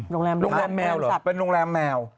โรงแรมแมวเหรอแมวสัตว์เป็นโรงแรมแมว